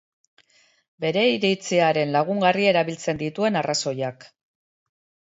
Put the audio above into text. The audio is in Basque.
Bere iritziaren lagungarri erabiltzen dituen arrazoiak.